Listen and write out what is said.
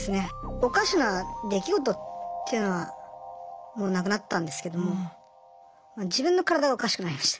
おかしな出来事っていうのはもうなくなったんですけども自分の体がおかしくなりました。